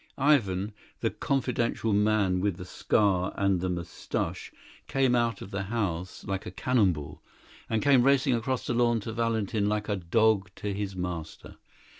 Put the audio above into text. Ivan, the confidential man with the scar and the moustaches, came out of the house like a cannon ball, and came racing across the lawn to Valentin like a dog to his master.